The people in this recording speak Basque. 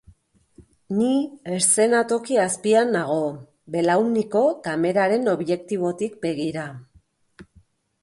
Ni eszenatoki azpian nago, belauniko kameraren objektibotik begira.